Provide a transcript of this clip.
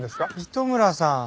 糸村さん。